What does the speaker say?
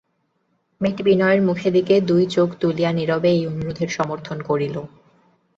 মেয়েটি বিনয়ের মুখের দিকে দুই চোখ তুলিয়া নীরবে এই অনুরোধের সমর্থন করিল।